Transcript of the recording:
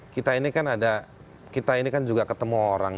kita ini kan ada kita ini kan juga ketemu orang